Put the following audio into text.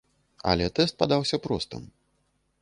Але тэст падаўся простым.